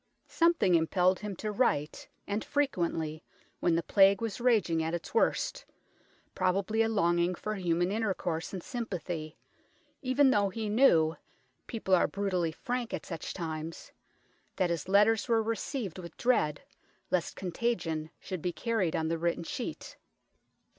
Something impelled him to write, and frequently, when the Plague was raging at its worst, probably a longing for human inter course and sympathy, even though he knew people are brutally frank at such times that his letters were received with dread, lest con tagion should be carried on the written sheet.